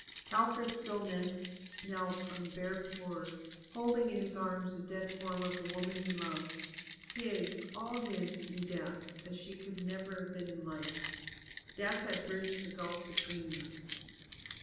Telford still knelt on the bare floor, holding in his arms the dead form of the woman he loved his, all his, in death, as she could never have been in life. Death had bridged the gulf between them.